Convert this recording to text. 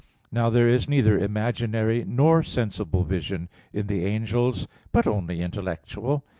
Now there is neither imaginary nor sensible vision in the angels, but only intellectual.